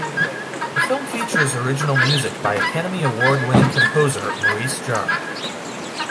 The film features original music by Academy Award-winning composer Maurice Jarre.